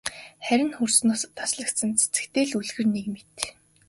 Харин хөрснөөсөө таслагдсан цэцэгтэй л үлгэр нэг мэт.